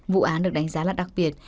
vụ án được đánh giá là đặc biệt